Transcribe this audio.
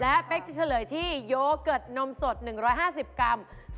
และเป๊กจะเฉลยที่โยเกิร์ตนมสด๑๕๐กรัม